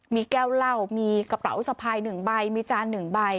มีแก้วเหล้ามีกระเป๋าสะพาย๑ใบมีจาน๑ใบ